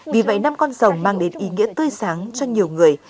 vì vậy năm con rồng mang đến ý nghĩa tươi sáng cho nhiều người